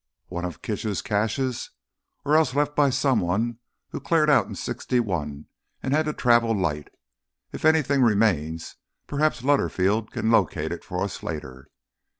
"One of Kitchell's caches? Or else left by someone who cleared out in '61 and had to travel light. If anything remains, perhaps Lutterfield can locate it for us later.